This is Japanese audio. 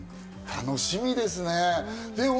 楽しみですね。